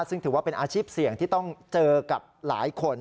ซึ่งถือว่าเป็นอาชีพเสี่ยงที่ต้องเจอกับหลายคน